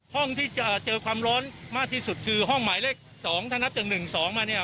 ห้องที่จะเจอความร้อนมากที่สุดคือห้องหมายเลข๒ถ้านับจาก๑๒มาเนี่ย